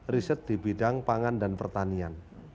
riset di bidang pangan dan pertanian